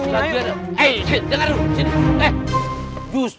eh dengar dulu sini